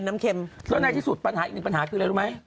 แล้วในที่สุดปัญหากันเลยรู้ไหม